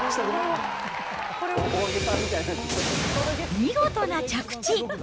見事な着地。